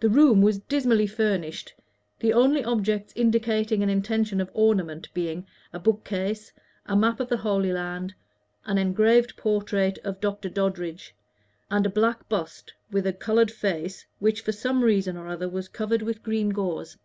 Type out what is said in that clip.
The room was dismally furnished, the only objects indicating an intention of ornament being a bookcase, a map of the Holy Land, an engraved portrait of Dr. Doddridge, and a black bust with a colored face, which for some reason or other was covered with green gauze.